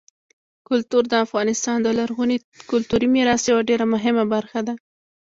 کلتور د افغانستان د لرغوني کلتوري میراث یوه ډېره مهمه برخه ده.